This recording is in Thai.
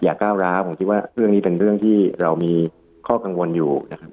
ก้าวร้าวผมคิดว่าเรื่องนี้เป็นเรื่องที่เรามีข้อกังวลอยู่นะครับ